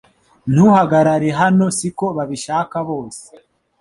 Ntugahagarare hano siko babishaka bose